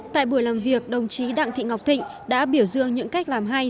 tại buổi làm việc đồng chí đặng thị ngọc thịnh đã biểu dương những cách làm hay